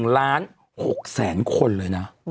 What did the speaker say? ๑ล้าน๖แสนคนเลยนะ